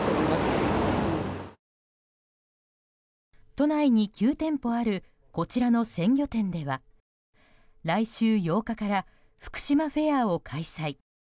都内に９店舗あるこちらの鮮魚店では来週８日からふくしまフェアを開催。